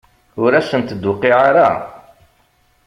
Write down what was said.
Ur asent-d-tuqiɛ ara?